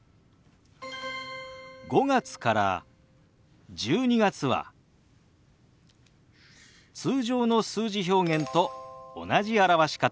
５月から１２月は通常の数字表現と同じ表し方です。